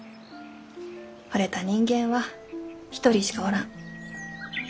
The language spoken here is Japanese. ほれた人間は一人しかおらん。